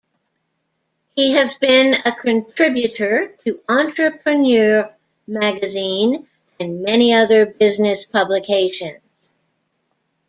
He has been a contributor to "Entrepreneur Magazine," and many other business publications.